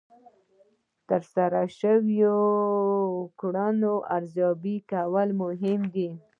د ترسره شوو کړنو ارزیابي کول مهمه ده.